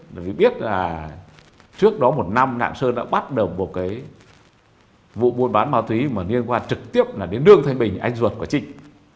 để biết là trước đó một năm lạ sơn đã bắt đầu một cái vụ mua bán ma túy mà liên quan trực tiếp là đến đường thanh bình anh duật của trinh